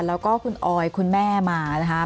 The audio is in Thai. แล้วก็คุณออยคุณแม่มานะคะ